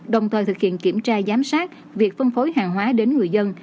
đồng thời thực hiện kiểm tra giám sát việc phân phối hàng hóa đến người dân